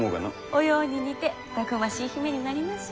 お葉に似てたくましい姫になりましょう。